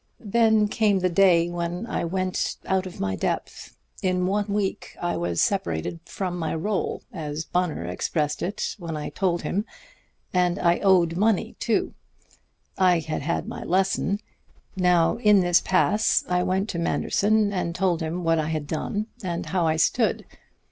Then came the day when I went out of my depth. In one week I was separated from my roll, as Bunner expressed it when I told him; and I owed money, too. I had had my lesson. Now in this pass I went to Manderson and told him what I had done and how I stood.